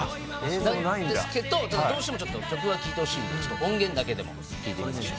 なんですけどどうしてもちょっと曲は聴いてほしいんで音源だけでも聴いてみましょう。